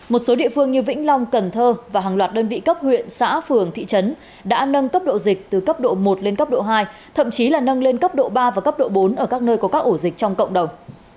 một số địa phương như vĩnh long cần thơ và hàng loạt đơn vị cấp huyện xã phường thị trấn đã nâng cấp độ dịch từ cấp độ một lên cấp độ hai thậm chí là nâng lên cấp độ ba và cấp độ bốn ở các nơi có các ổ dịch trong cộng đồng